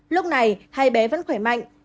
lúc này hai bé vẫn khỏe mạnh